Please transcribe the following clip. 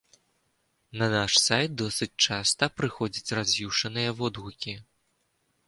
На наш сайт досыць часта прыходзяць раз'юшаныя водгукі.